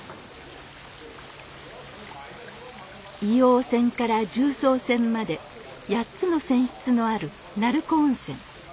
硫黄泉から重曹泉まで８つの泉質のある鳴子温泉。